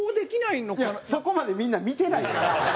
いやそこまでみんな見てないから！